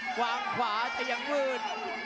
ความขวาจะยังมืด